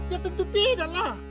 ya tentu tidak lah